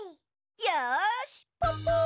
よしポッポ！